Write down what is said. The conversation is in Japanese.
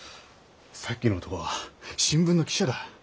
さっきの男は新聞の記者だ。